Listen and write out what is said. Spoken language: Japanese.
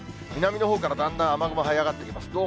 南のほうからだんだん雨雲、はい上がってきます。